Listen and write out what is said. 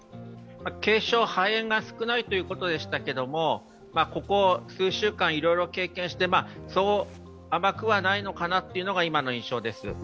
軽症、肺炎が少ないということでしたけどここ数週間、いろいろ経験してそう甘くはないのかなというのが今の印象です。